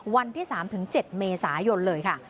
วันที่๓๗เมษายนเลยค่ะ